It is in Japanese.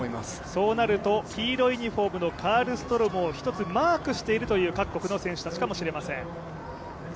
そうなると黄色いユニフォームのカルストロームも１つマークしているという各国の選手たちかもしれません。